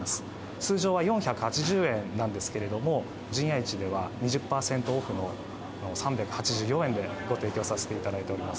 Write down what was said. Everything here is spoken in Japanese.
通常は４８０円なんですけれども、陣屋市では２０％オフの３８４円でご提供させていただいております。